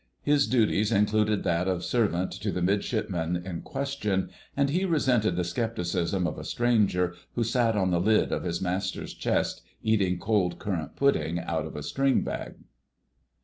His duties included that of servant to the Midshipman in question, and he resented the scepticism of a stranger who sat on the lid of his master's chest eating cold currant pudding out of a string bag.